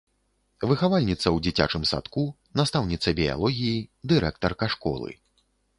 Выхавальніца ў дзіцячым садку, настаўніца біялогіі, дырэктарка школы.